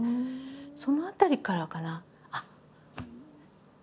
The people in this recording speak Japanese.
その辺りからかな。